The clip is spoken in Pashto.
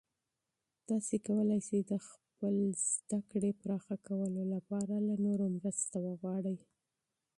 تاسې کولای سئ د خپل علم پراخه کولو لپاره له نورو مرستې وغواړئ.